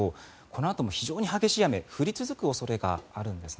このあとも非常に激しい雨が降り続く恐れがあるんです。